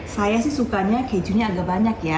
saya sih sukanya kejunya agak banyak ya